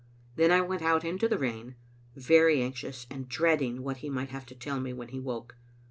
Then I went out into the rain, very anxious, and dreading what he might have to tell me when he woke.